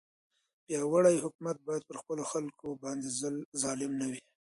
پیاوړی حکومت باید پر خپلو خلکو باندې ظالم نه وي.